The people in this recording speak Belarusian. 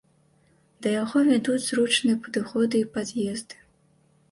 Да яго вядуць зручныя падыходы і пад'езды.